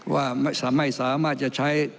ว่าไม่สามารถจะใช้